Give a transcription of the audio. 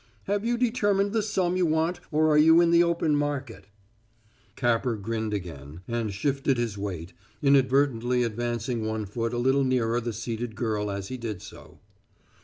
"Have you determined the sum you want or are you in the open market?" Capper grinned again, and shifted his weight, inadvertently advancing one foot a little nearer the seated girl as he did so.